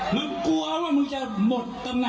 มึงกลัวว่ามึงจะหมดแต่หนังเหรอ